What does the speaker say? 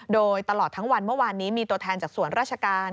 โดยตลอดทั้งวันเมื่อวานนี้มีตัวแทนจากส่วนราชการ